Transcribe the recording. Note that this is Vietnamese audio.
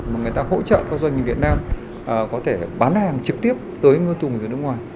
mà người ta hỗ trợ các doanh nghiệp việt nam có thể bán hàng trực tiếp tới ngư tùng từ nước ngoài